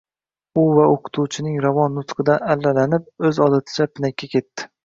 u va o‘qituvchining ravon nutqidan allalanib, o‘z odaticha, pinakka ketdi.